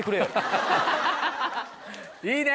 いいね？